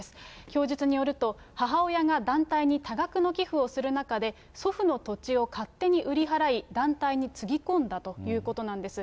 供述によると、母親が団体に多額の寄付をする中で、祖父の土地を勝手に売り払い、団体につぎ込んだということなんです。